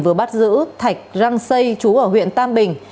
vừa bắt giữ thạch răng xây chú ở huyện tam bình